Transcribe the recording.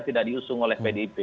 tidak diusung oleh pdip